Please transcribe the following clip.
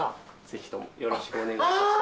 ぜひともよろしくお願い致します。